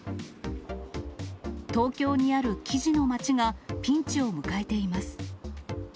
東京にある生地の街がピンチを迎えています。